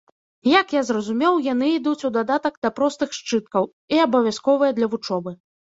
Як я зразумеў, яны ідуць у дадатак да простых сшыткаў і абавязковыя для вучобы.